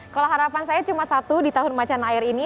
kalau harapan saya cuma satu di tahun macan air ini